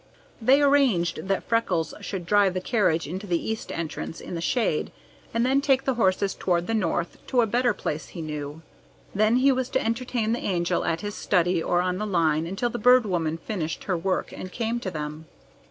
They arranged that Freckles should drive the carriage into the east entrance in the shade and then take the horse toward the north to a better place he knew. Then he was to entertain the Angel at his study or on the line until the Bird Woman finished her work and came to them.